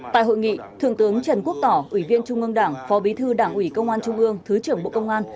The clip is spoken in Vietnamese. tại hội nghị thượng tướng trần quốc tỏ ủy viên trung ương đảng phó bí thư đảng ủy công an trung ương thứ trưởng bộ công an